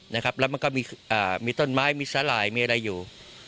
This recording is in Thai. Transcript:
นะครับแล้วมันก็มีอ่ามีต้นไม้มีสลายมีอะไรอยู่